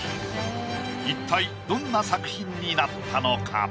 一体どんな作品になったのか？